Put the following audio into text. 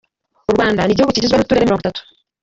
U rwanda nigihugu kigizwe nuturere mirongo itatu.